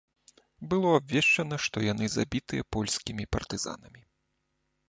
Было абвешчана, што яны забітыя польскімі партызанамі.